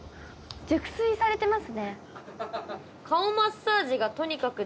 熟睡されてますね。